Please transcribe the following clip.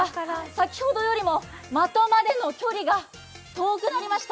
先ほどよりも的までの距離が遠くなりました。